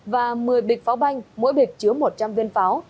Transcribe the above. và một mươi bịch pháo banh mỗi bịch chứa một trăm linh viên pháo